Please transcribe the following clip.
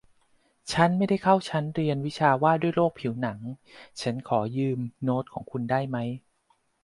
ชั้นไม่ได้เข้าชั้นเรียนวิชาว่าด้วยโรคผิวหนัง ฉันขอยืมโน้ตของคุณได้ไหม